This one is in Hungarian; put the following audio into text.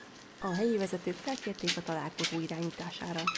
A helyi vezetők felkérték a találkozó irányítására.